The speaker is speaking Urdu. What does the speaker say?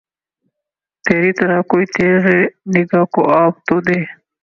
تری طرح کوئی تیغِ نگہ کو آب تو دے